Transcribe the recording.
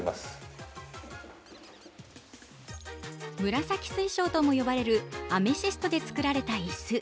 紫水晶とも呼ばれるアメジストで作られた椅子。